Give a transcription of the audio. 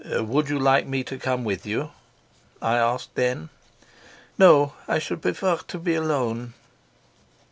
"Would you like me to come with you?" I asked then. "No; I should prefer to be alone."